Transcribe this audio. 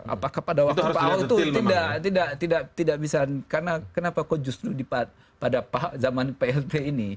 apakah pada waktu pak ahok itu tidak bisa karena kenapa kok justru pada zaman plt ini